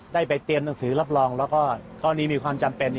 ได้ไปเตรียมหนังสือรับรองแล้วก็กรณีมีความจำเป็น